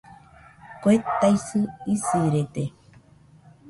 Kue taisɨ isirede